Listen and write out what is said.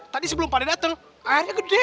tadi sebelum pak dek dateng airnya gede